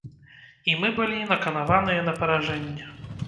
І мы былі наканаваныя на паражэнне.